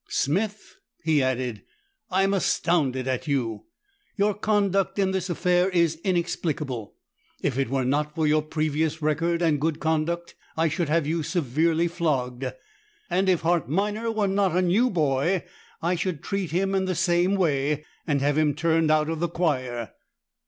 Smith," he added, "I'm astounded at you. Your conduct in this affair is inexplicable. If it were not for your previous record and good conduct, I should have you severely flogged; and if Hart Minor were not a new boy, I should treat him in the same way and have him turned out of the choir.